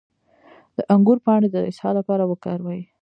د انګور پاڼې د اسهال لپاره وکاروئ